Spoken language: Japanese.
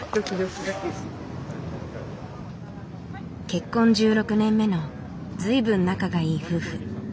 結婚１６年目の随分仲がいい夫婦。